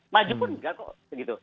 maju pun nggak kok begitu